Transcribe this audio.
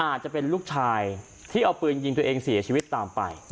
อาจจะเป็นลูกชายที่เอาปืนยิงตัวเองเสียชีวิตตามไป